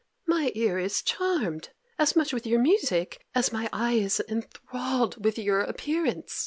"My ear is charmed as much with your music as my eye is enthralled with your appearance.